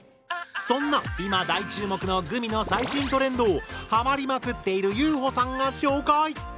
そんな今大注目のグミの最新トレンドをハマりまくっているゆうほさんが紹介！